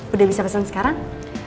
udah bisa pesen sekarang